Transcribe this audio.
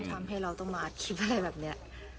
ทำให้เราต้องมาอัดคลิปอะไรแบบนี้